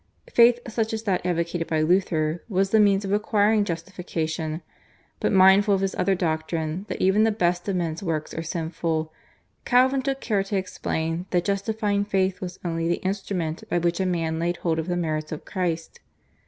Faith such as that advocated by Luther was the means of acquiring justification, but, mindful of his other doctrine that even the best of men's works are sinful, Calvin took care to explain that justifying faith was only the instrument by which a man laid hold of the merits of Christ.